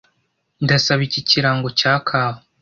Ndasaba iki kirango cya kawa.